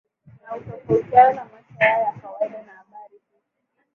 Na hutofautiana na maisha yao ya kawaida na Habari hii